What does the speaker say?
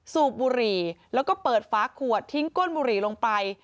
สูบบุหรี่แล้วก็เปิดฝาขวดทิ้งก้นบุหรี่ลงไป